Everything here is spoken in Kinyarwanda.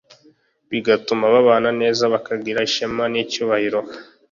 Bigatuma babana neza, bakagira ishema n’icyubahiro.